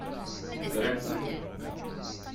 Tramt-t?